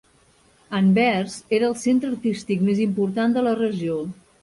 Anvers era el centre artístic més important de la regió.